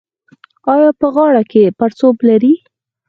ایا په غاړه کې پړسوب لرئ؟